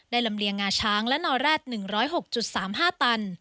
ลำเลียงงาช้างและนอแร็ด๑๐๖๓๕ตัน